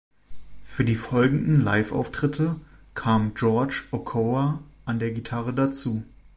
Für die folgenden Live-Auftritte kam George Ochoa an der Gitarre dazu.